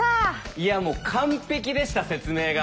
いやもう完璧でした説明が。